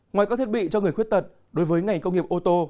ngoài các thiết bị cho người khuyết tật đối với ngành công nghiệp ô tô